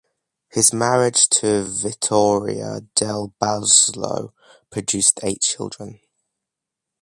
His marriage to Vittoria del Balzo produced eight children.